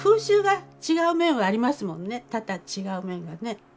多々違う面がね。